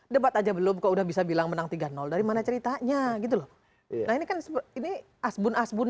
debat aja belum ke udah bisa bilang menang tiga dari mana ceritanya gitu loh nah ini kan ini asbun asbun